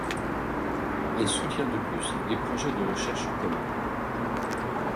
Elle soutient de plus des projets de recherche communs.